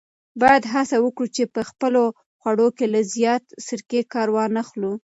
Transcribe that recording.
باید هڅه وکړو چې په خپلو خوړو کې له زیاتې سرکې کار وانخلو.